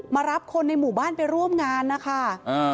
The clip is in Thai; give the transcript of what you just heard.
มารับคนในหมู่บ้านไปร่วมงานนะคะ